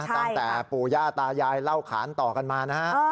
ตั้งแต่ปู่ย่าตายายเล่าขานต่อกันมานะฮะ